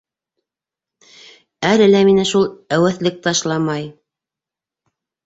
- Әле лә мине шул әүәҫлек ташламай...